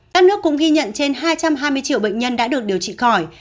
các nước cũng ghi nhận trên hai trăm hai mươi triệu bệnh nhân đã được điều trị khỏi